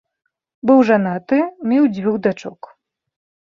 Быў жанаты, меў дзвюх дачок.